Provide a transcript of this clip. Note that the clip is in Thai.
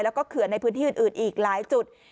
แล้วก็เขื่อนในพื้นที่อื่นอีกหลายจุด